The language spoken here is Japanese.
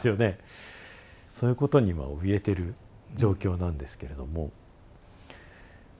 そういうことにはおびえてる状況なんですけれども。